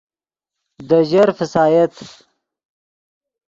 دے ژر فسایت